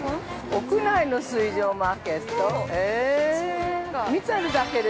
◆屋内の水上マーケット？